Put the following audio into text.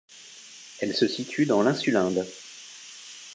Elle se situe dans l'Insulinde.